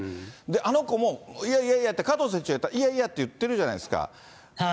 あの子も、いやいやいやって、加藤選手が行ったら、いやいやって言ってるじゃないですか。